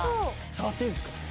触っていいですか？